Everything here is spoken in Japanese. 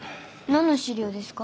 何の資料ですか？